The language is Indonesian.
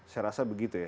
saya rasa begitu ya